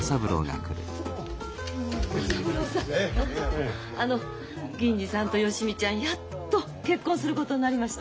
小三郎さん銀次さんと芳美ちゃんやっと結婚することになりました。